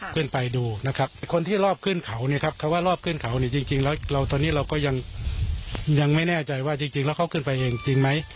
ขึ้นไปดูนะครับไอ้คนที่รอบขึ้นเขาเนี่ยครับคำว่ารอบขึ้นเขาเนี่ยจริงแล้วเราตอนนี้เราก็ยังไม่แน่ใจว่าจริงแล้วเขาขึ้นไปเองจริงไหม